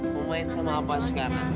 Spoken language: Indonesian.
mau main sama apa sekarang